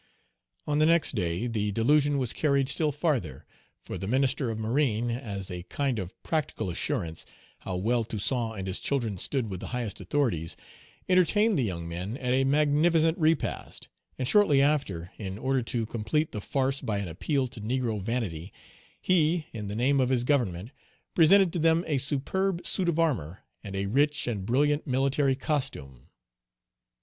On the next day, the delusion was carried still farther, for the Minister of Marine, as a kind of practical assurance how well Toussaint and his children stood with the highest authorities, entertained the young men at a magnificent repast; and shortly after, in order to complete the farce by an appeal to negro vanity, he, in the name of his government, presented to them a superb suit of armor, and a rich and brilliant military costume.